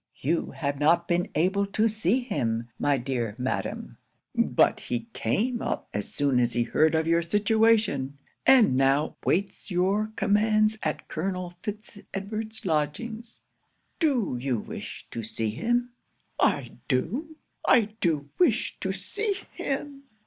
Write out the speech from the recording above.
'"You have not been able to see him, my dear madam; but he came up as soon as he heard of your situation, and now waits your commands at Colonel Fitz Edward's lodgings. Do you wish to see him?" '"I do! I do wish to see him!